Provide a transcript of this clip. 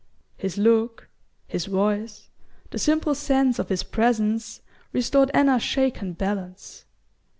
His look, his voice, the simple sense of his presence, restored Anna's shaken balance.